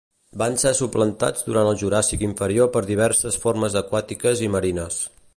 Van ser suplantats durant el Juràssic inferior per diverses formes aquàtiques i marines.